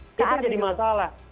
itu yang jadi masalah